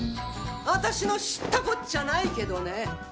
私の知ったこっちゃないけどね